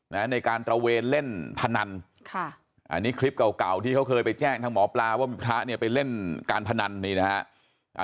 ในการตระเวนเล่นพนันค่ะอันนี้คลิปเก่าเก่าที่เขาเคยไปแจ้งทางหมอปลาว่ามีพระเนี่ยไปเล่นการพนันนี่นะฮะ